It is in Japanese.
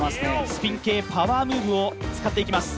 スピン系パワームーブを使っていきます。